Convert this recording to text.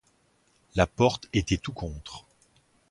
La porte était tout contre.